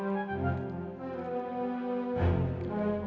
bapak cuma ngedit